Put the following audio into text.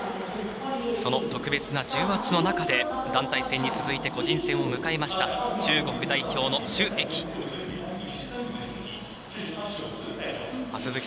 その特別な重圧の中で団体戦に続いて個人戦を迎えました中国代表の朱易。